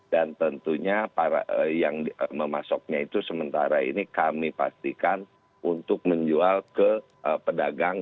dan tentunya para yang memasoknya itu sementara ini kami pastikan untuk menjual ke pedagang